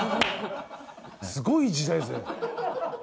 すごい時代ですね。